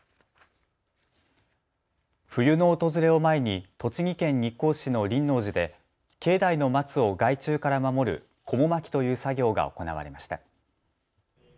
冬の訪れを前に栃木県日光市の輪王寺で境内のマツを害虫から守る、こも巻きという作業が行われました。